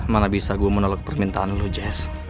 mana bisa gua menolak permintaan lu jess